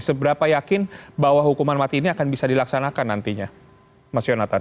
seberapa yakin bahwa hukuman mati ini akan bisa dilaksanakan nantinya mas yonatan